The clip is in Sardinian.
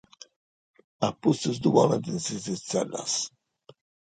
A pustis ddu ponent in is tzellas.